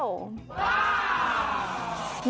ว้าว